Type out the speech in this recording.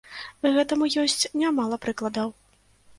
Гэтаму ёсць нямала прыкладаў.